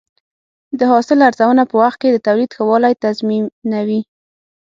د حاصل ارزونه په وخت کې د تولید ښه والی تضمینوي.